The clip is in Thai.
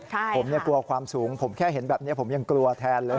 ผมกลัวความสูงผมแค่เห็นแบบนี้ผมยังกลัวแทนเลย